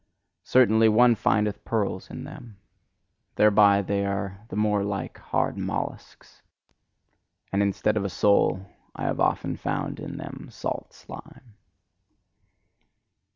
Certainly, one findeth pearls in them: thereby they are the more like hard molluscs. And instead of a soul, I have often found in them salt slime.